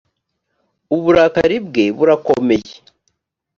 uburakari bwe burakomeye.